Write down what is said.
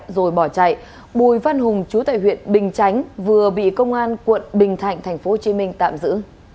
rồi bỏ chạy bùi văn hùng chú tại huyện bình chánh vừa bị công an quận bình thạnh tp hcm tạm giữ